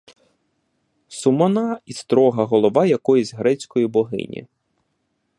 Сумна і строга голова якоїсь грецької богині.